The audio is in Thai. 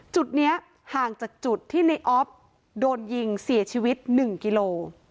จุดนี้ห่างจากจุดที่ในออฟโดนยิงเสียชีวิต๑กิโล